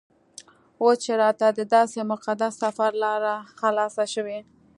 اوس چې راته دداسې مقدس سفر لاره خلاصه شوې.